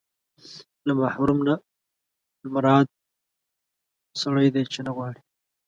له محروم نه مراد سړی دی چې نه غواړي.